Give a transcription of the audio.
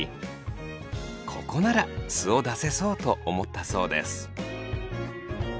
ここなら素を出せそうと思ったそうです。